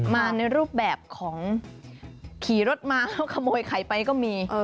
มาในรูปแบบของขี่รถมาแล้วขโมยไข่ไปก็มี